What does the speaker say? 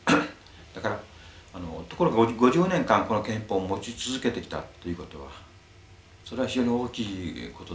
だからところが５０年間この憲法を持ち続けてきたということはそれは非常に大きいことですね。